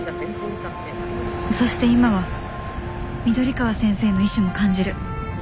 そして今は緑川先生の意志も感じる。